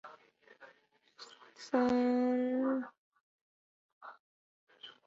本条目专为云南定远而作。